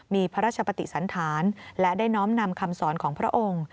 มีพระราชปฏิสันธารและได้น้อมนำคำสอนของพระองค์